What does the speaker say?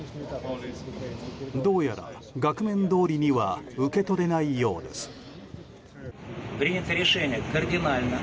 どうやら額面どおりには受け取れないようです。